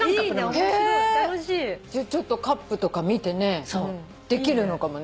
じゃあちょっとカップとか見てできるのかもね。